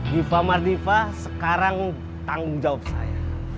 diva mardiva sekarang tanggung jawab saya